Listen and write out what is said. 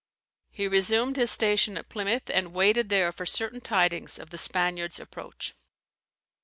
He resumed his station at Plymouth, and waited there for certain tidings of the Spaniard's approach.